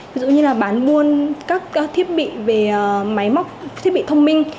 ví dụ như là bán buôn các thiết bị về máy móc thiết bị thông minh